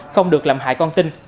không được làm hại con tin